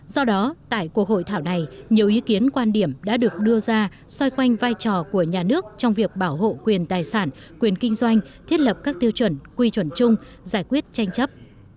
do đó tại cuộc hội thảo này nhiều ý kiến quan điểm đã được đưa ra xoay quanh vai trò của nhà nước trong việc bảo hộ quyền tài sản quyền kinh doanh thiết lập các tiêu chuẩn quy chuẩn chung giải quyết tranh chấp